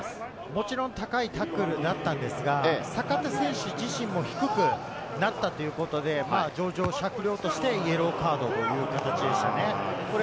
もちろん高いタックルだったんですが坂手選手自身も低くなったということで、情状酌量としてイエローカードという形でしたね。